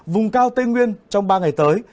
vùng cao tây nguyên trong ba ngày tới